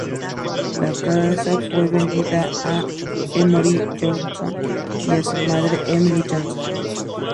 La casa fue vendida a Emory Johnson y a su madre, Emily Johnson.